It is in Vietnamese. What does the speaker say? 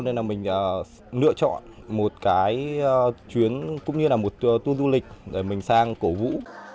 nên là mình lựa chọn một cái chuyến cũng như là một tour du lịch để mình sang cổ vũ